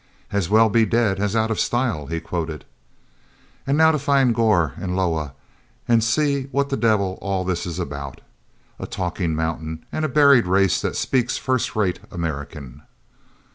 "As well be dead as out of style," he quoted. "And now to find Gor and Loah, and see what the devil all this is about—a talking mountain and a buried race that speaks first rate American."